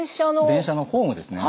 電車のホームですね。